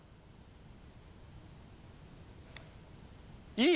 ・いい！